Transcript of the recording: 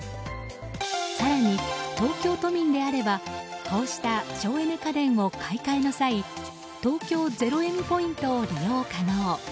更に、東京都民であればこうした省エネ家電を買い替えの際東京ゼロエミポイントを利用可能。